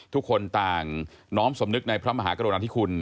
ทุกคนต่างน้อมสำนึกในพระมหากรณาธิคุณ